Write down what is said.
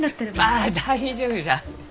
あっ大丈夫じゃ！